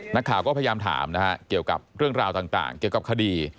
นักข่าวก็พยายามถามนะฮะเกี่ยวกับเรื่องราวต่างเกี่ยวกับคดี